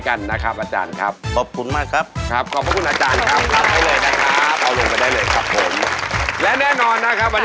เบอร์หนึ่งหรือถ้าไม่ใช่ลิเกย์ก็แบกไฟล์แค่ข้างนั้น